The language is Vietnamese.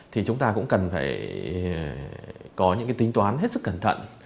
thì chúng ta cũng cần phải có những cái tính toán hết sức cẩn thận